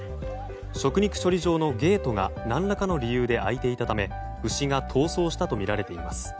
食肉処理場のゲートが何らかの理由で開いていたため牛が逃走したとみられています。